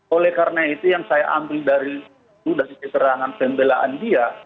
oleh karena itu yang saya ambil dari keterangan pembelaan dia